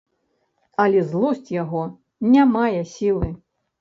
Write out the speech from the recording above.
Але злосць яго не мае сілы.